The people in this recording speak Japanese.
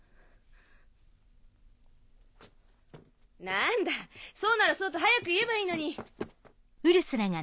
何だそうならそうと早く言えばいいのに。